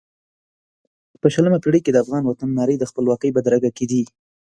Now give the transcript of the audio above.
په شلمه پېړۍ کې د افغان وطن نارې د خپلواکۍ بدرګه کېدې.